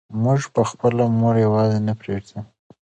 موږ به خپله مور یوازې نه پرېږدو.